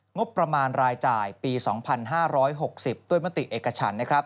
งบประมาณรายจ่ายปี๒๕๖๐ด้วยมติเอกฉัน